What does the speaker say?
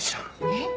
えっ？